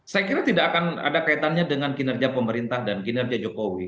saya kira tidak akan ada kaitannya dengan kinerja pemerintah dan kinerja jokowi